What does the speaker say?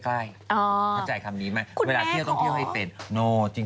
เข้าใจคำนี้ไหมเวลาเที่ยวต้องเที่ยวให้เป็น